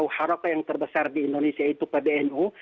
lsm atau haraka yang terbesar di indonesia yaitu pbnu